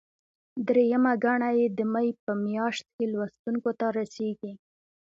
درېیمه ګڼه یې د مې په میاشت کې لوستونکو ته رسیږي.